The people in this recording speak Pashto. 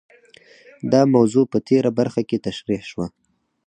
دا موضوع په تېره برخه کې تشرېح شوه.